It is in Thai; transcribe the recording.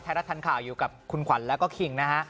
รัฐทันข่าวอยู่กับคุณขวัญแล้วก็คิงนะฮะ